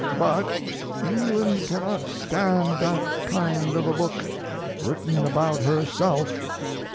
But England cannot stand that kind of a book written about herself.